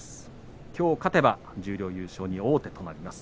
きょう勝てば十両優勝に王手となります。